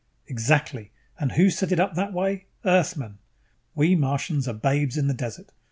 "Exactly. And who set it up that way? Earthmen. We Martians are babes in the desert.